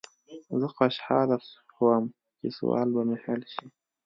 زه خوشحاله شوم چې سوال به مې حل شي.